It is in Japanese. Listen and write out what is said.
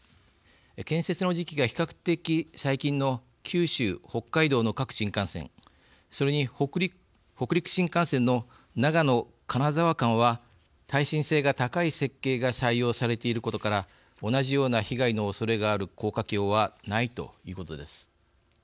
建設の時期が比較的、最近の九州、北海道の各新幹線それに北陸新幹線の長野、金沢間は耐震性が高い設計が採用されていることから同じような被害のおそれがある高架橋はないということです。